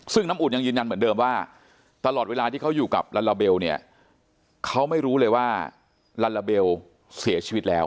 ซึ่งน้ำอุ่นยังยืนยันเหมือนเดิมว่าตลอดเวลาที่เขาอยู่กับลาลาเบลเนี่ยเขาไม่รู้เลยว่าลัลลาเบลเสียชีวิตแล้ว